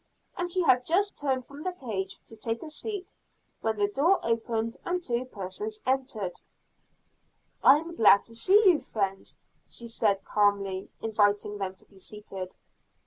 And she had just turned from the cage to take a seat, when the door opened and two persons entered. "I am glad to see you, friends," she said calmly, inviting them to be seated.